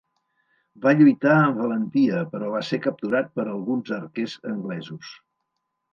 Va lluitar amb valentia, però va ser capturat per alguns arquers anglesos.